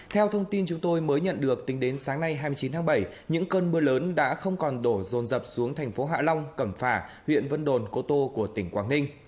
theo thông tin chúng tôi mới nhận được tính đến sáng nay hai mươi chín tháng bảy những cơn mưa lớn đã không còn đổ rồn rập xuống thành phố hạ long cẩm phả huyện vân đồn cô tô của tỉnh quảng ninh